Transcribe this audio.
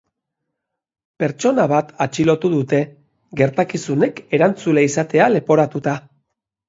Pertsona bat atxilotu dute, gertakizunek erantzule izatea leporatuta.